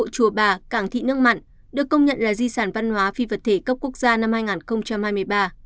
cảng thị nước mặn được công nhận là di sản văn hóa phi vật thể cấp quốc gia năm hai nghìn hai mươi ba